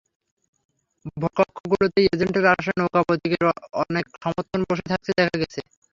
ভোটকক্ষগুলোতে এজেন্টের আসনে নৌকা প্রতীকের অনেক সমর্থক বসে থাকতে দেখা গেছে।